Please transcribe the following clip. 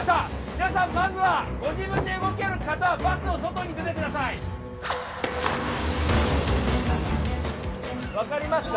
皆さんまずはご自分で動ける方はバスの外に出てください分かりますか？